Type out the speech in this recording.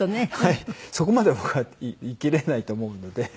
そこまでは僕は生きれないと思うので。